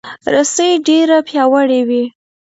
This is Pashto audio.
رسۍ ډیره پیاوړې وي.